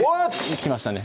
いきましたね